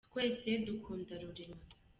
twese dukunda rurema.